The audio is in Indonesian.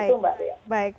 itu mbak ria